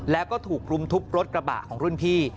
แล้วก็ถูกรุมทุบรถกระบะของรุ่นพี่